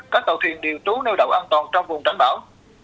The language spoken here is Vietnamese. có tàu thuyền điều trú nêu đậu an toàn trong vùng tránh bão